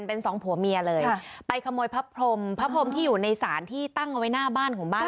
เป็นสองผัวเมียเลยไปขโมยพระพรมพระพรมที่อยู่ในศาลที่ตั้งเอาไว้หน้าบ้านของบ้าน